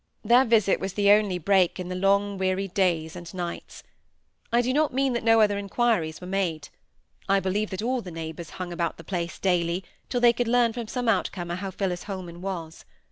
Their visit was the only break in the long weary days and nights. I do not mean that no other inquiries were made. I believe that all the neighbours hung about the place daily till they could learn from some out comer how Phillis Holman was.